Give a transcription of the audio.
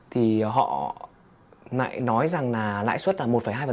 thì họ nói rằng là lãi suất là một hai